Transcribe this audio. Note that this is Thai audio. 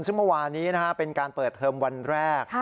ซึ่งเมื่อวานี้เป็นการเปิดเทอมวันแรก